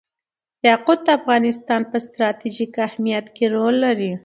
یاقوت د افغانستان په ستراتیژیک اهمیت کې رول لري.